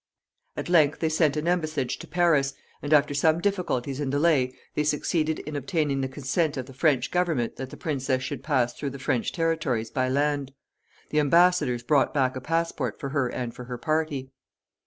At length they sent an embassage to Paris, and after some difficulties and delay they succeeded in obtaining the consent of the French government that the princess should pass through the French territories by land. The embassadors brought back a passport for her and for her party.